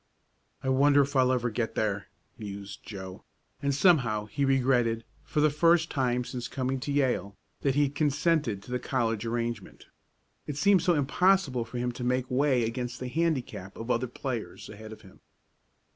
"I wonder if I'll ever get there," mused Joe, and, somehow he regretted, for the first time since coming to Yale, that he had consented to the college arrangement. It seemed so impossible for him to make way against the handicap of other players ahead of him.